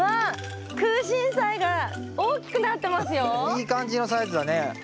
いい感じのサイズだね。